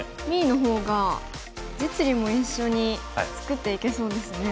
Ｂの方が実利も一緒に作っていけそうですね。